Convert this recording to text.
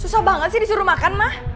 susah banget sih disuruh makan mah